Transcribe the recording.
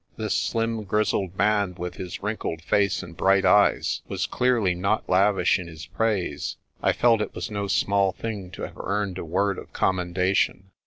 This slim, grizzled man, with his wrinkled face and bright eyes, was clearly not lavish in his praise. I felt it was no small thing to have earned a word of commendation.